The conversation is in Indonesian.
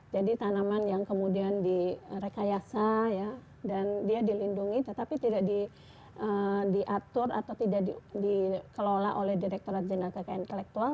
jadi tanaman yang kemudian direkayasa dan dia dilindungi tetapi tidak diatur atau tidak dikelola oleh direkturat jeneral kkn intelektual